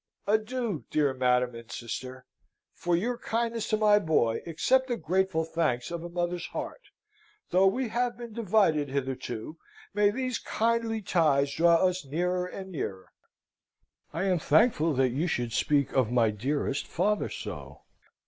Adieu, dear madam and sister! For your kindness to my boy accept the grateful thanks of a mother's heart. Though we have been divided hitherto, may these kindly ties draw us nearer and nearer. I am thankful that you should speak of my dearest father so.